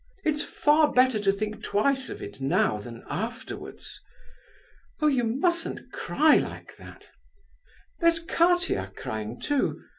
"It's far better to think twice of it now than afterwards. Oh! you mustn't cry like that! There's Katia crying, too.